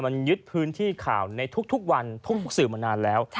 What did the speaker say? มันยึดพื้นที่ข่าวในทุกวันทุกสื่อมานานแล้ว